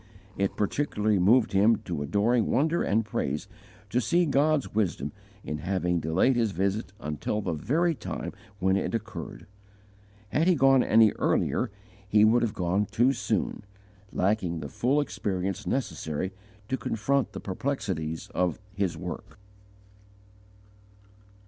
It particularly moved him to adoring wonder and praise to see God's wisdom in having delayed his visit until the very time when it occurred. Had he gone any earlier he would have gone too soon, lacking the full experience necessary to confront the perplexities of his work.